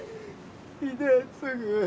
秀次。